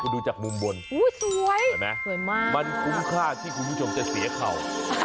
ดูจากมุมบนสวยมากมันคุ้มค่าที่คุณผู้ชมจะเสียเข่า